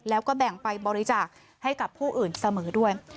แล้วก็แบ่งไปบริจาคให้กับผู้อื่นเสมอด้วย